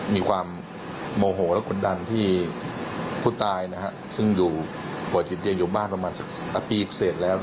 มีความโมโหและคนนั้นที่ผู้ตายนะครับซึ่งอยู่บ่อยถิ่นเตียงอยู่บ้านประมาณสักปีเสร็จแล้วนะครับ